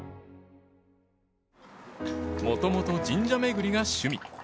もともと、神社巡りが趣味。